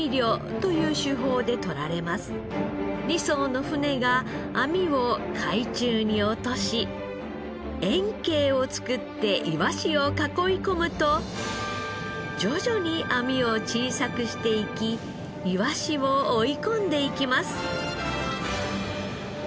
２艘の船が網を海中に落とし円形を作っていわしを囲い込むと徐々に網を小さくしていきいわしを追い込んでいきます。